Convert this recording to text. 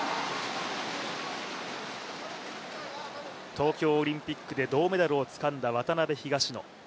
東京オリンピックで銅メダルをつかんだ渡辺・東野。